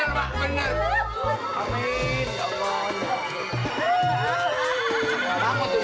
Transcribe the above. kayak cukak liat